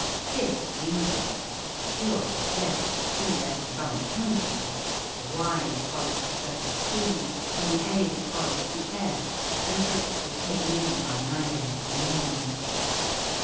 This reading, to be sure, left two letters unaccounted for — the Y that follows the first C, and the A that follows the F, and which were taken in by neither of the names.